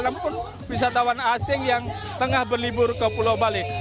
ataupun wisatawan asing yang tengah berlibur ke pulau bali